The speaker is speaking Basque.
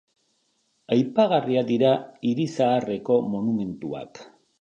Aipagarriak dira hiri zaharreko monumentuak.